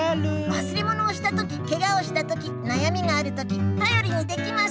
わすれものをしたときケガをしたときなやみがあるときたよりにできます！